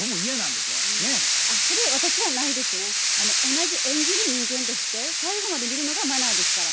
同じ演じる人間として最後まで見るのがマナーですから。